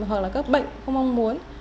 hoặc là các bệnh không mong muốn